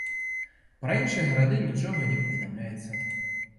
Пра іншыя гарады нічога не паведамляецца.